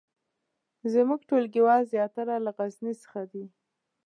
زمونږ ټولګیوال زیاتره له غزني څخه دي